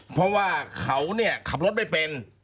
เพราะว่าเขาเนี่ยขับรถไม่เป็น